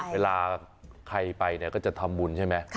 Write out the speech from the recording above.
เวลาใครไปเนี่ยก็จะทำบุญใช่ไหม